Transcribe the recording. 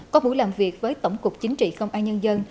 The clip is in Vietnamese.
có buổi làm việc với tổng cục chính trị công an nhân dân